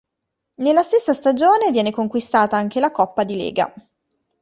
Nella stessa stagione viene conquistata anche la coppa di lega.